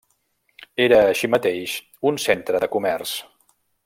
Era, així mateix, un centre de comerç.